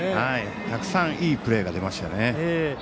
たくさんいいプレーが出ましたね。